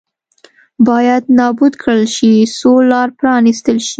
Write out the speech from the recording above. باید نابود کړل شي څو لار پرانېستل شي.